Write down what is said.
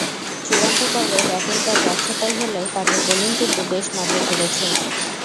চূড়ান্ত পর্বে ব্যাটিংটা যাচ্ছেতাই হলেও তাদের বোলিং কিন্তু বেশ নজর কেড়েছে।